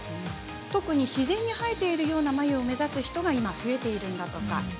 特に自然に生えているような眉を目指す人が増えているんだとか。